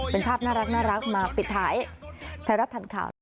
เป็นภาพน่ารักมาปิดถ่ายแท้รับทันข่าว